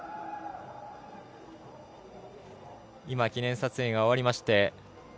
今、記念撮影が終わりまして